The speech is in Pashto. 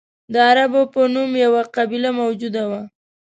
د عربو په نوم یوه قبیله موجوده وه.